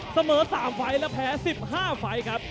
เสมอ๓ไฟล์และแพ้๑๕ไฟล์ครับ